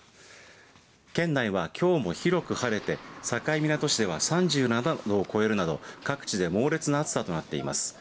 県内は、きょうも広く晴れて境港市では３７度を超えるなど各地で猛烈な暑さとなっています。